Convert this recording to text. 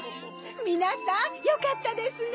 みなさんよかったですね！